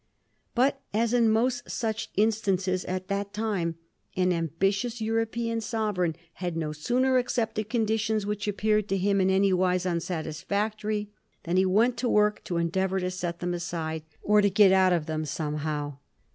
But, as in most such instances at that time, an ambitious European sovereign had no sooner accepted conditions which appeared to him in any wise unsatisfisujtory, than he went to work to endeavour to set them aside, or get out of them somehow.